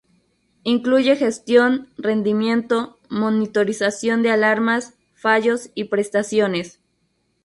Incluye gestión, rendimiento, monitorización de alarmas, fallos y prestaciones.